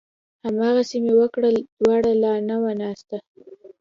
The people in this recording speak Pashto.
هماغسې مې وکړل، دوړه لا نه وه ناسته